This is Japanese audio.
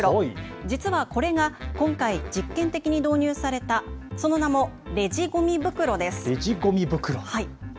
実はこれが今回、実験的に導入されたその名もレジごみ袋です。